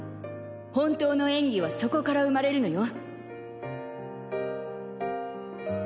本当の演技はそこから生まれるのよ